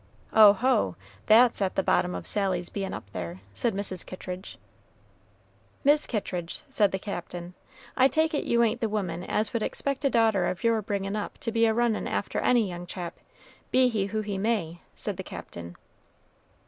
"Oho! that's at the bottom of Sally's bein' up there," said Mrs. Kittridge. "Mis' Kittridge," said the Captain, "I take it you ain't the woman as would expect a daughter of your bringin' up to be a runnin' after any young chap, be he who he may," said the Captain.